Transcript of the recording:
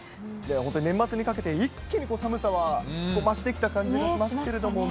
本当に年末にかけて一気に寒さは増してきた感じがしますけれどもね。